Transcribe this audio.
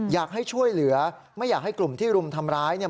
อยากให้ช่วยเหลือไม่อยากให้กลุ่มที่รุมทำร้ายเนี่ย